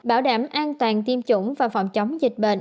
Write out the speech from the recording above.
bảo đảm an toàn tiêm chủng và phòng chống dịch bệnh